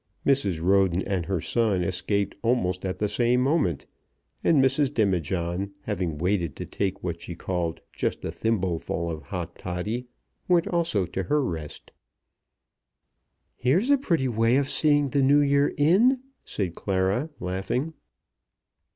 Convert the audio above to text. Mrs. Roden and her son escaped almost at the same moment, and Mrs. Demijohn, having waited to take what she called just a thimbleful of hot toddy, went also to her rest. "Here's a pretty way of seeing the New Year in," said Clara, laughing.